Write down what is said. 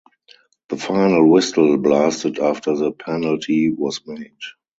The final whistle blasted after the penalty was made.